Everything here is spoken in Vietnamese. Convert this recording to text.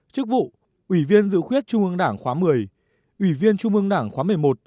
chức vụ ủy viên dự khuyết trung ương đảng khóa một mươi ủy viên trung ương đảng khóa một mươi một một mươi hai một mươi ba